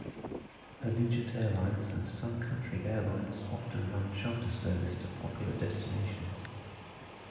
Allegiant Airlines and Sun Country Airlines often run charter service to popular destinations.